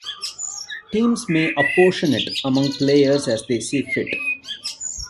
Teams may apportion it among players as they see fit.